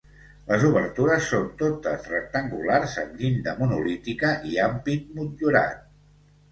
Les obertures són totes rectangulars amb llinda monolítica i ampit motllurat.